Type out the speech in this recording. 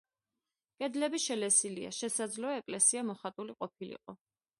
კედლები შელესილია, შესაძლებელია ეკლესია მოხატული ყოფილიყო.